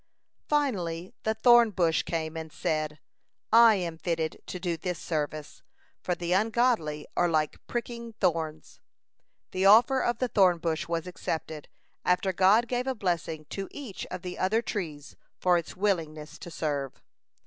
Finally the thorn bush came and said: "I am fitted to do this service, for the ungodly are like pricking thorns." The offer of the thorn bush was accepted, after God gave a blessing to each of the other trees for its willingness to serve.